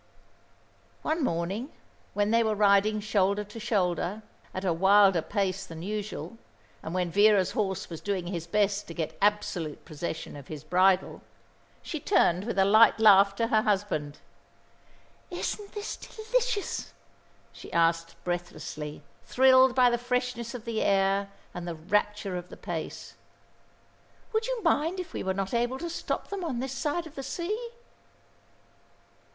One morning, when they were riding shoulder to shoulder, at a wilder pace than usual, and when Vera's horse was doing his best to get absolute possession of his bridle, she turned with a light laugh to her husband. "Isn't this delicious?" she asked breathlessly, thrilled by the freshness of the air and the rapture of the pace. "Would you mind if we were not able to stop them on this side of the sea?"